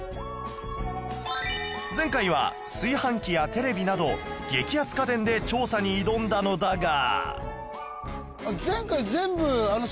前回は炊飯器やテレビなど激安家電で調査に挑んだのだが